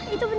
ibu mau beli